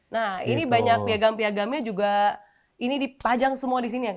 nah ini banyak piagam piagamnya juga ini dipajang semua disini ya kang